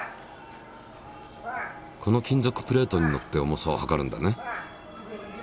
この金属プレートに乗って重さを量るんだね。